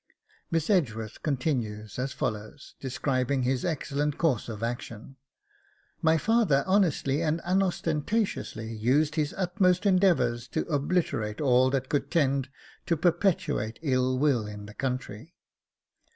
Miss Edgeworth continues as follows, describing his excellent course of action: 'My father honestly and unostentatiously used his utmost endeavours to obliterate all that could tend to perpetuate ill will in the country.